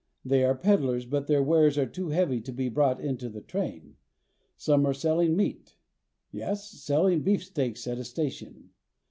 They are peddlers, but their wares are too heavy to be brought into the train. Some are selling meat. Yes, selling beefsteaks at a station